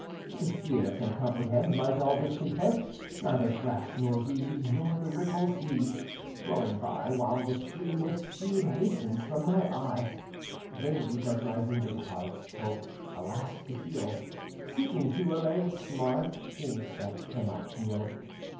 What is here can comprehend My dull discontent? Neither grass nor reed, Nor the ripples heed, Flowing by, While the stream with speed Hastens from my eye. Vainly does my wounded heart Hope, alas, to heal; Seeking, to allay its smart, Things that cannot feel.